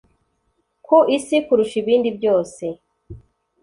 Ku isi kurusha ibindi byose